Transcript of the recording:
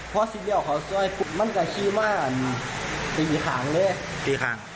เพราะที่เดียวเขาส่วยมันกระชี้มาอ่านตีขางเลยตีขาง